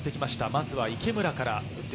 まずは池村から。